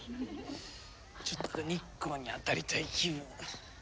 ちょっと日光に当たりたい気分。